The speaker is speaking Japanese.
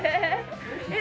えっ？